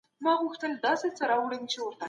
تر شپې مي خپلي ټولې دندې بشپړې کړي وي.